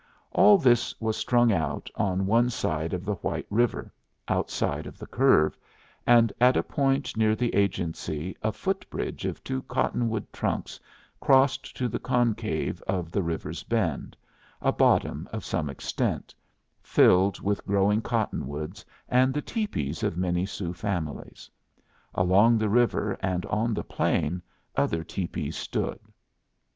All this was strung out on one side of the White River, outside of the curve; and at a point near the agency a foot bridge of two cottonwood trunks crossed to the concave of the river's bend a bottom of some extent, filled with growing cottonwoods, and the tepees of many Sioux families. Along the river and on the plain other tepees stood.